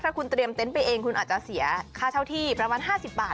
ถ้าคุณเตรียมเต็นต์ไปเองคุณอาจจะเสียค่าเช่าที่ประมาณ๕๐บาท